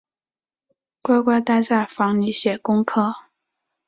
乖乖待在房里写功课